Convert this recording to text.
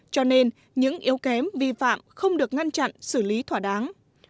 cho nên những yếu kém vi phạm không được ngăn chặn xử lý thỏa đáng